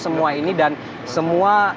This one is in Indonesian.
semua ini dan semua